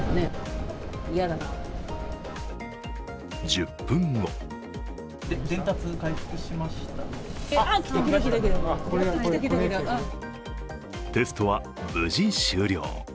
１０分後テストは無事、終了。